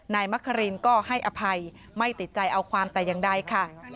มะครินก็ให้อภัยไม่ติดใจเอาความแต่อย่างใดค่ะ